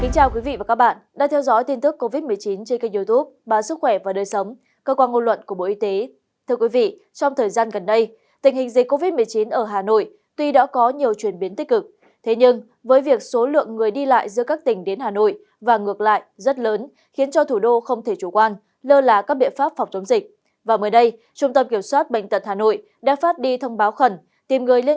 các bạn hãy đăng ký kênh để ủng hộ kênh của chúng mình nhé